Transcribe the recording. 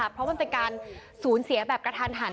เพราะมันเป็นการสูญเสียแบบกระทันหัน